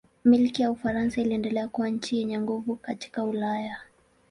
Milki ya Ufaransa iliendelea kuwa nchi yenye nguvu katika Ulaya.